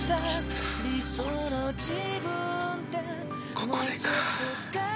ここでか。